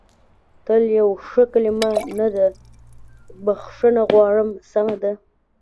تل یوه ښه کلمه نه ده، بخښنه غواړم، سمه ده.